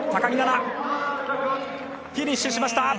フィニッシュしました。